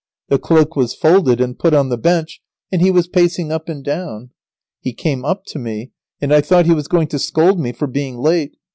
The cloak was folded and put on the bench, and he was pacing up and down. He came up to me, and I thought he was going to scold me for being late.